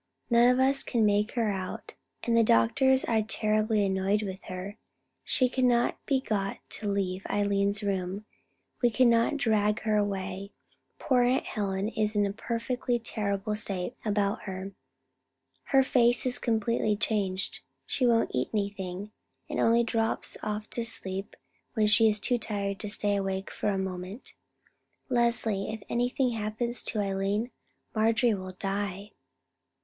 None of us can make her out, and the doctors are terribly annoyed with her. She cannot be got to leave Eileen's room; we cannot drag her away. Poor Aunt Helen is in a perfectly terrible state about her. Her face is completely changed; she won't eat anything, and only drops off to sleep when she is too tired to stay awake for a moment. Leslie, if anything happens to Eileen, Marjorie will die."